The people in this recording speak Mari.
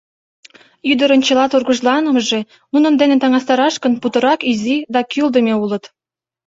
Ӱдырын чыла тургыжланымыже, нунын дене таҥастараш гын, путырак изи да кӱлдымӧ улыт.